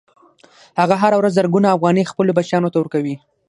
هغه هره ورځ زرګونه افغانۍ خپلو بچیانو ته ورکوي